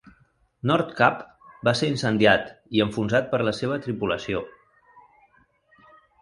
"Nordkapp" va ser incendiat i enfonsat per la seva tripulació.